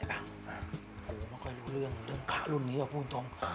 ไอ้ปางกูก็ไม่ค่อยรู้เรื่องเรื่องขารุ่นนี้เอาพูดตรง